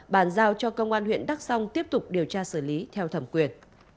bàn giao cho công an huyện đắk song tiếp tục điều tra xử lý theo thẩm quyền